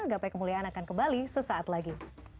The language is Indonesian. gapai kemuliaan akan kembali sesaat lagi